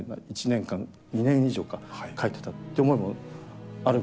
１年間２年以上か書いてたという思いもあるぐらいだし